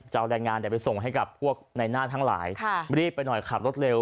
จะเอาแรงงานไปส่งให้กับพวกในหน้าทั้งหลายรีบไปหน่อยขับรถเร็ว